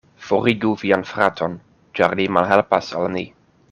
Forigu vian fraton, ĉar li malhelpas al ni.